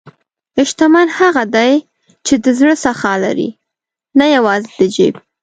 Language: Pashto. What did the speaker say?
شتمن هغه دی چې د زړه سخا لري، نه یوازې د جیب.